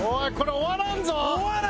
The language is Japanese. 終わらん！